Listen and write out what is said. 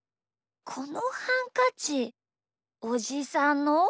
このハンカチおじさんの？